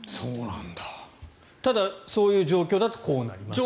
ただ、そういう状況だとこうなりますと。